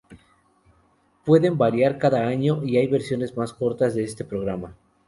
Pueden variar cada año y hay versiones más cortas de este programa.